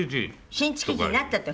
新築地になった時？